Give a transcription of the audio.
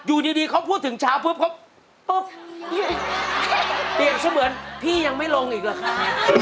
อยู่ดีเขาพูดถึงเช้าปุ๊บเขาปุ๊บเปรียบเสมือนพี่ยังไม่ลงอีกหรอคะ